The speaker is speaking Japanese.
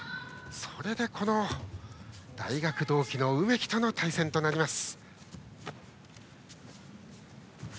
それで、この大学同期の梅木との対戦となります。